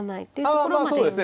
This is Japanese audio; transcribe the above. ああそうですね。